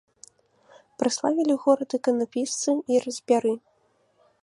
Праславілі горад іканапісцы і разьбяры.